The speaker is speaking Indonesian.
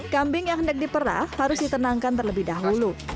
kambing yang hendak diperah harus ditenangkan terlebih dahulu